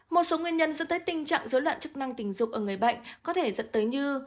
một số nguyên nhân dẫn tới tình trạng dối loạn chức năng tình dục ở người bệnh có thể dẫn tới như